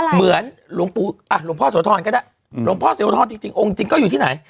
เหมือนหลวงปูอ่ะหลวงพ่อสวทรก็ได้หลวงพ่อสวทรจริงโอ้งจริงก็อยู่ที่ไหน